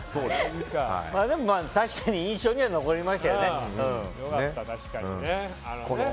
でも確かに印象には残りましたよね。